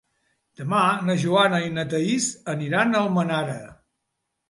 Demà na Joana i na Thaís aniran a Almenara.